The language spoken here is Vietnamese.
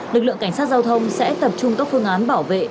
lực lượng cảnh sát giao thông sẽ tập trung các phương án bảo vệ